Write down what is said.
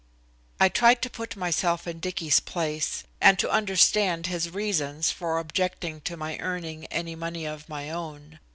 I tried to put myself in Dicky's place, and to understand his reasons for objecting to my earning any money of my own.